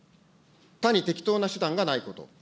他に適当な手段がないこと。